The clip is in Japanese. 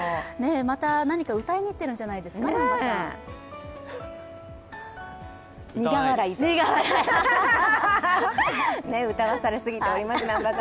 また何か歌いに行っているんじゃないですか、南波さん。